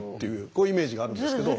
こういうイメージがあるんですけど。